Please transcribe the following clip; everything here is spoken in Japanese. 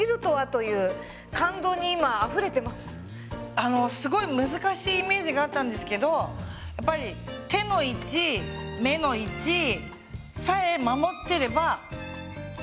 あのすごい難しいイメージがあったんですけどやっぱり手の位置目の位置さえ守ってれば出来ました。